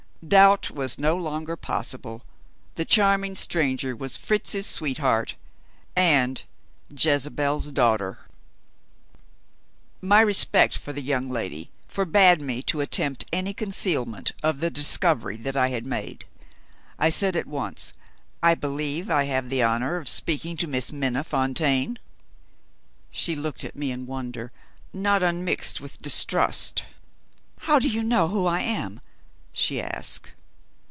Doubt was no longer possible. The charming stranger was Fritz's sweetheart and "Jezebel's Daughter." My respect for the young lady forbade me to attempt any concealment of the discovery that I had made. I said at once, "I believe I have the honor of speaking to Miss Minna Fontaine?" She looked at me in wonder, not unmixed with distrust. "How do you know who I am?" she asked.